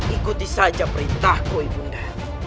ikuti saja perintahku ibunda